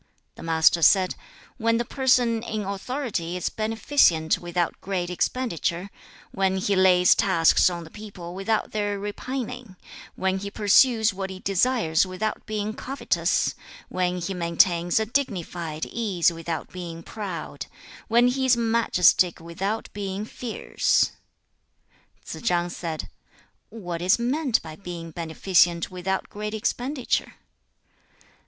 The Master said, 'When the person in authority is beneficent without great expenditure; when he lays tasks on the people without their repining; when he pursues what he desires without being covetous; when he maintains a dignified ease without being proud; when he is majestic without being fierce.' 2. Tsze chang said, 'What is meant by being beneficent without great expenditure?'